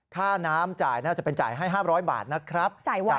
ค่าน้ำจ่ายน่าจะเป็นจ่ายให้๕๐๐บาทนะครับ